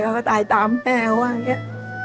เขาก็ตายตามแม่ว่าเนี่ย